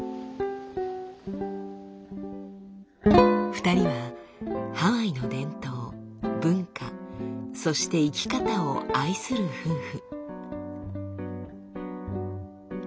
２人はハワイの伝統文化そして生き方を愛する夫婦。